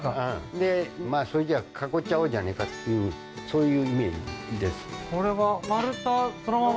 でそれじゃあ囲っちゃおうじゃねえかっていうそういうイメージですそのまま？